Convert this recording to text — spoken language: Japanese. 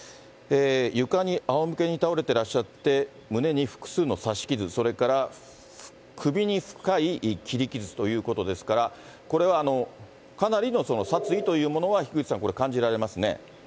床にあおむけに倒れてらっしゃって、胸に複数の刺し傷、それから首に深い切り傷ということですから、これはかなりの殺意というものは、樋口さん、感じられますね。